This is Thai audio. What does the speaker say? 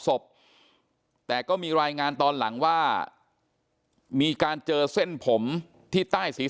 ศพแต่ก็มีรายงานตอนหลังว่ามีการเจอเส้นผมที่ใต้ศีรษะ